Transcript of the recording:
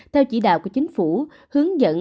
theo chỉ đạo của chính phủ hướng dẫn